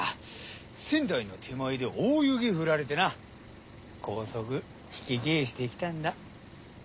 仙台の手前で大雪降られてな高速ひきけえしてきたんだ。